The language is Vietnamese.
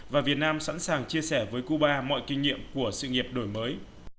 và việt nam sẵn sàng chia sẻ với cuba mọi kinh nghiệm của sự nghiệp đổi mới